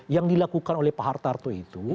yang dilakukan oleh pak hartarto itu